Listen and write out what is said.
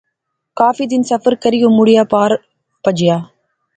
کافی دن سفر کری او مڑی پار پجیا